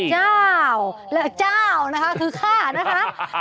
เจ้าและเจ้านะคะคือข้านะคะ